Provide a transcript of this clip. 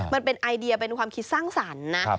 มันเป็นไอเดียเป็นความคิดสร้างสรรค์นะ